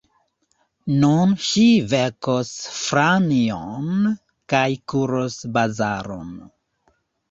Nun ŝi vekos Franjon kaj kuros bazaron.